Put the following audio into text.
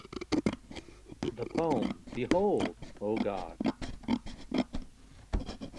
The poem Behold, O God!